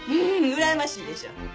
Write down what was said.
うらやましいでしょ？